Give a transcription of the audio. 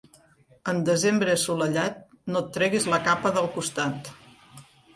En desembre assolellat no et treguis la capa del costat.